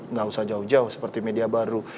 nggak usah jauh jauh seperti media baru